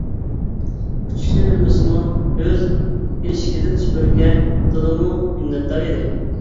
ئۇچۇشنى بىلمىسىمۇ ئۆز ئېشىكىدىن سۈپۈرگە تولىمۇ مىننەتدار ئىدى.